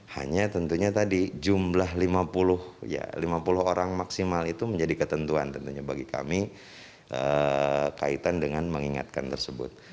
hanya tentunya tadi jumlah lima puluh orang maksimal itu menjadi ketentuan tentunya bagi kami kaitan dengan mengingatkan tersebut